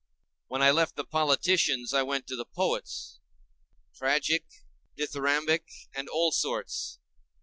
When I left the politicians, I went to the poets; tragic, dithyrambic, and all sorts.